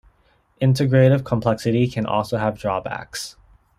Integrative complexity can also have drawbacks.